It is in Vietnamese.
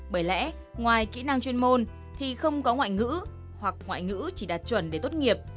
bởi lẽ ngoài kỹ năng chuyên môn thì không có ngoại ngữ hoặc ngoại ngữ chỉ đạt chuẩn để tốt nghiệp